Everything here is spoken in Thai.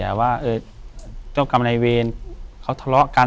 อยู่ที่แม่ศรีวิรัยิลครับ